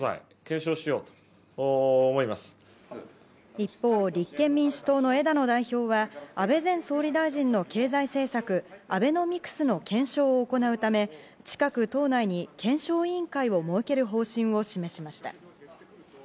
一方、立憲民主党の枝野代表は安倍前総理大臣の経済政策アベノミクスの検証を行うため近く、党内に検証委員会を設ける方針を示しました。